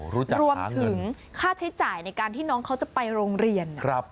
รวมถึงค่าใช้จ่ายในการที่น้องเขาจะไปโรงเรียน